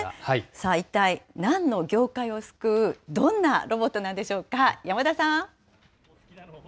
さあ一体、なんの業界を救うどんなロボットなんでしょうか。